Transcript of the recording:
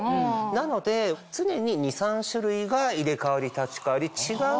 なので常に２３種類が入れ代わり立ち代わり違う